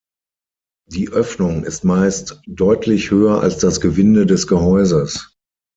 Die Öffnung ist meist deutlich höher als das Gewinde des Gehäuses.